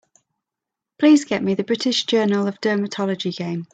Please get me the British Journal of Dermatology game.